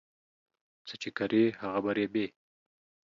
څه چي کرې، هغه به رېبې.